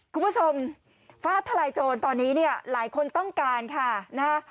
คุณผู้ชมฟ้าทลายโจรตอนนี้เนี่ยหลายคนต้องการค่ะนะฮะ